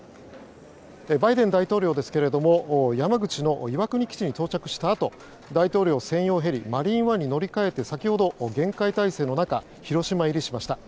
バイデン大統領ですけれども山口の岩国基地に到着したあと大統領専用ヘリ「マリーンワン」に乗り換えて先ほど、厳戒態勢の中広島入りしました。